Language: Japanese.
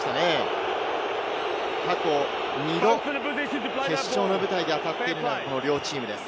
過去２度決勝の舞台に当たっているのがこの両チームです。